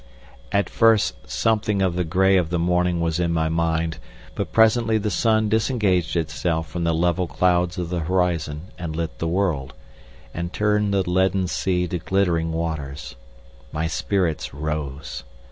At first something of the grey of the morning was in my mind, but presently the sun disengaged itself from the level clouds of the horizon and lit the world, and turned the leaden sea to glittering waters. My spirits rose.